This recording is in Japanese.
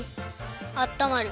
あったまる。